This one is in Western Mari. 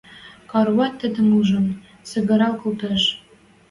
Кауроват тӹдӹм ужын, сӹгӹрӓл колтыш: